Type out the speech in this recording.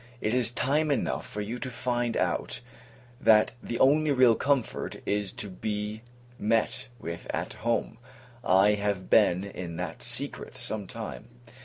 It is time enough for you to find out, that the only real comfort is to be met with at home; I have been in that secret some time.